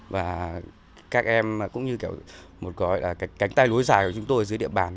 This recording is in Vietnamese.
và các em cũng như một gói là cánh tay lối dài của chúng tôi dưới địa bàn